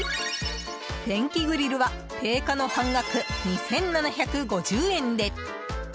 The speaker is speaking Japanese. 電気グリルは定価の半額２７５０円で。